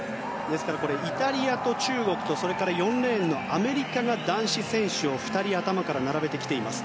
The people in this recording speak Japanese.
ですからイタリアと中国とそれから４レーンのアメリカが男子選手を２人頭から並べてきています。